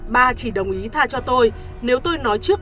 ba chỉ đồng ý tha cho tôi nếu tôi nói trước